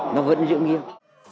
nó vẫn dưỡng nghiêng